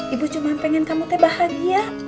ibu cuma ingin kamu bahagia